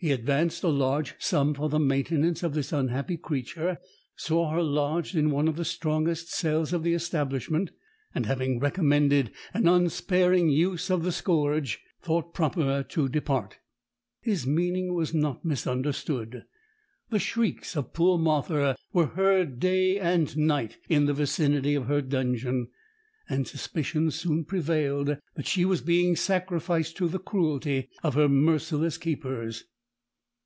"He advanced a large sum for the maintenance of this unhappy creature, saw her lodged in one of the strongest cells of the establishment, and, having recommended an unsparing use of the scourge, thought proper to depart. His meaning was not misunderstood. The shrieks of poor Martha were heard day and night in the vicinity of her dungeon, and suspicions soon prevailed that she was being sacrificed to the cruelty of her merciless keepers.